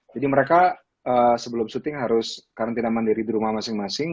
jadi mereka sebelum syuting harus karantina mandiri di rumah masing masing